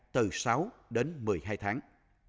từ sáu đến một mươi hai tháng